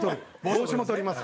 帽子も取ります。